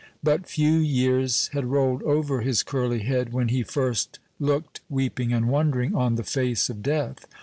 But few years had rolled over his curly head, when he first looked, weeping and wondering, on the face of death.